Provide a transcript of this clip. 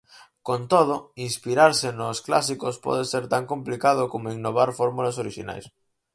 Con todo, inspirarse nos clásicos pode ser tan complicado como innovar fórmulas orixinais.